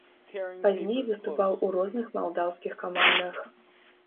Пазней выступаў у розных малдаўскіх камандах.